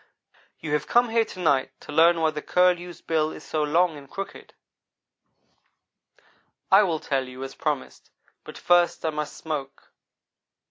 "You have come here to night to learn why the Curlew's bill is so long and crooked. I will tell you, as I promised, but first I must smoke."